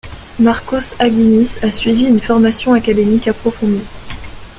Marcos Aguinis a suivi une formation académique approfondie.